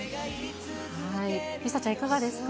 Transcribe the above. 梨紗ちゃん、いかがですか。